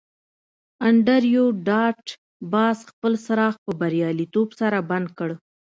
انډریو ډاټ باس خپل څراغ په بریالیتوب سره بند کړ